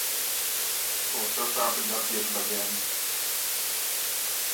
او سۀ ساعت ګپ يې سُو لګېن“